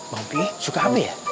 mau pergi suka hp ya